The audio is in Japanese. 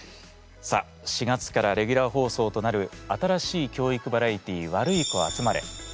さあ４月からレギュラー放送となる新しい教育バラエティー「ワルイコあつまれ」。